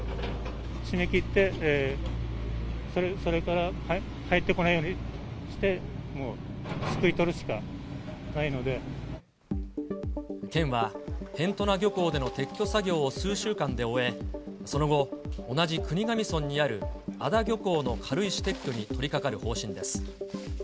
閉め切って、それから入ってこないようにして、県は辺士名漁港での撤去作業を数週間で終え、その後、同じ国頭村にある安田漁港の軽石撤去に取りかかる方針です。